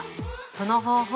その方法